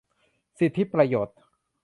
สิทธิประโยชน์